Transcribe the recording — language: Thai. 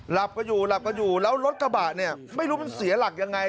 หลับกันอยู่หลับกันอยู่แล้วรถกระบะเนี่ยไม่รู้มันเสียหลักยังไง